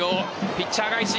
ピッチャー返し